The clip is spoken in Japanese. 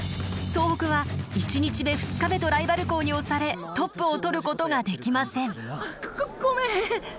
総北は１日目２日目とライバル校に押されトップをとることができません。